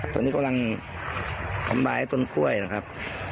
ตอนนี้กำลังทำร้ายต้นกล้วยนะครับ